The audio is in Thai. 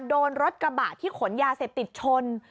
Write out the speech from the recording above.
โดนรถกระบะที่ขนยาเสพติดชน